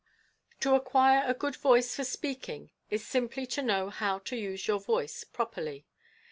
To acquire a good voice for speaking is simply to know how to use your voice properly.